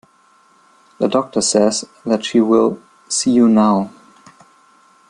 The doctor says that she will see you now.